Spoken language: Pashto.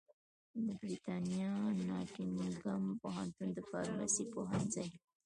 د برېتانیا ناټینګهم پوهنتون د فارمیسي پوهنځي